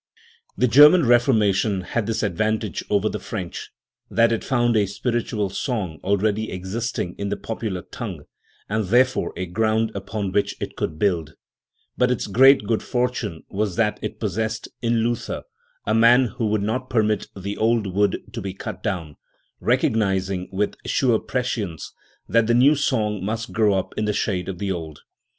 The German Reformation had this advantage over the French, that it found a spiritual song already existing in the popular tongue, and therefore a ground upon which it could build; but its great good fortune was that it possessed, in Luther, a man who would not permit the old wood to be cut down, recognizing with sure prescience that the new song must grow up in the shade of the old.